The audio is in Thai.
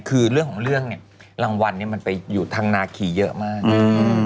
เรื่องของเรื่องเนี่ยรางวัลนี้มันไปทางนาคีเยอะมาก